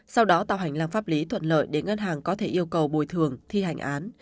sau đó tạo hành lang pháp lý thuận lợi để ngân hàng có thể yêu cầu bồi thường thi hành án